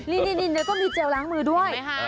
เดี๋ยวก็มีเจลล้างมือด้วย